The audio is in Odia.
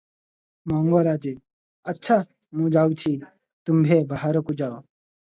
ମଙ୍ଗରାଜେ: ଆଚ୍ଛା ମୁଁ ଯାଉଛି, ତୁମ୍ଭେ ବାହାରକୁ ଯାଅ ।